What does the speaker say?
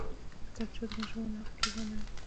کتابچه د ماشوم عقل روښانوي